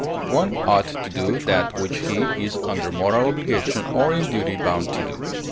One ought to do that which he is under moral obligation or in duty bound to do.